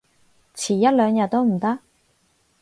遲一兩日都唔得？